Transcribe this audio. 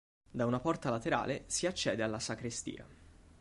Da una porta laterale si accede alla sacrestia.